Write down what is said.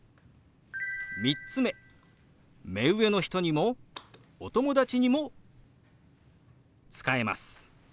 ３つ目目上の人にもお友達にも使えます。